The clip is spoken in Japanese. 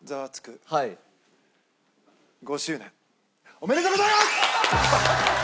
おめでとうございます！